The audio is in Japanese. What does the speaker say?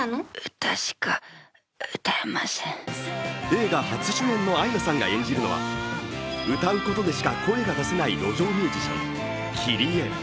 映画初主演のアイナさんが演じるのは歌うことでしか声が出せない路上ミュージシャン・キリエ。